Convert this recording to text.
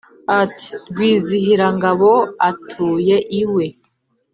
Ati : Rwizihirangabo atuye iwe